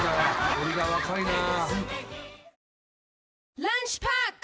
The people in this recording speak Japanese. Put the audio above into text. ノリが若いなぁ。